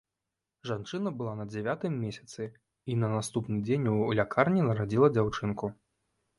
Жанчына была на дзявятым месяцы і на наступны дзень у лякарні нарадзіла дзяўчынку.